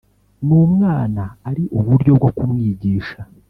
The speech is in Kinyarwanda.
n umwana ari uburyo bwo kumwigisha